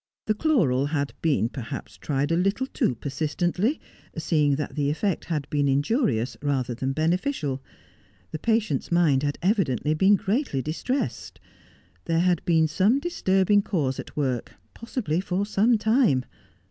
The chloral had been perhaps tried a little too persistently, seeing that the effect had been injurious rather than beneficial. The patient's mind had evidently been greatly distressed. There had been some disturbing cause at work, possibly for some time.